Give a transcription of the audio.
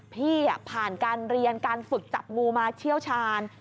พี่ผ่านการเรียนการฝึกจับงูมาเชี่ยวชาญ